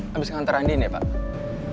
habis ngantar andiin ya pak